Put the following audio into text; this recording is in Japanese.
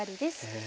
へえ。